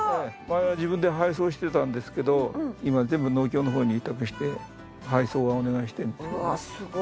前は自分で配送してたんですけど今は全部農協の方に委託して配送はお願いしてるんですけどね。